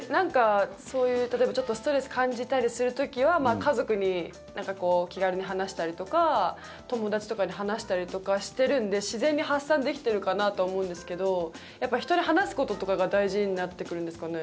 例えば、そういうストレス感じたりする時は家族に気軽に話したりとか友達とかに話したりとかしてるので自然に発散できてるかなとは思うんですけどやっぱり、人に話すこととかが大事になってくるんですかね。